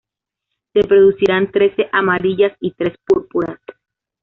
Se producirán trece amarillas y tres púrpuras.